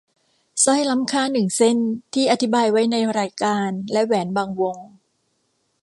สร้อยล้ำค่าหนึ่งเส้นที่อธิบายไว้ในรายการและแหวนบางวง